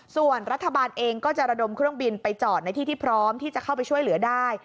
ส่วนรัฐบาลเองก็จะระดมเครื่องบินไปจอดในที่ที่พร้อมที่จะเข้าไปช่วยเหลือได้